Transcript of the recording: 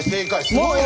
すごいな！